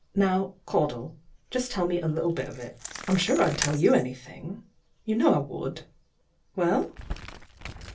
Now, Caudle, just tell me a little bit of it. I'm sure I'd tell you anything. You know I would. Well?